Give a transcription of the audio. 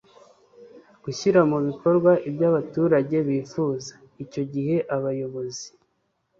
gushyira mu bikorwa ibyo abaturage bifuza. icyo gihe abayobozi